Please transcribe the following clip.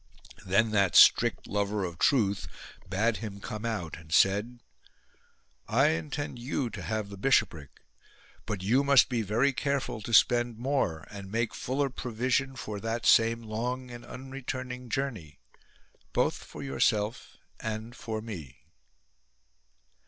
Then that strict lover of truth bade him come out, and said, " I intend you to have the bishopric ; but you must be very careful to spend more and make fuller provision for that same long and unreturning journey both for yourself and for me."